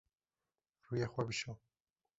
Rûyê xwe bişo.